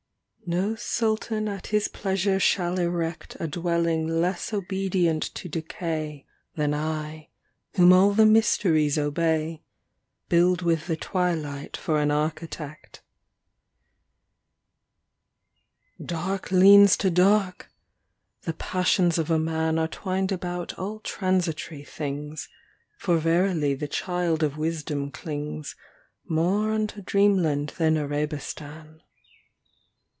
XXIII No Sultan at his pleasure shall erect A dwelling less obedient to decay Than I, whom all the mysteries obey, Build with the twilight for an architect, THE DIWAN OP ABUŌĆÖL ALA 39 XXIV Dark leans to dark ! the passions of a man Are twined about all transitory things, For verily the child of wisdom clings More unto dreamland than Arabistan.